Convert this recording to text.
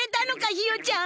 ひよちゃん！